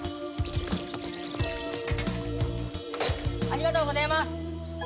ありがとうございます！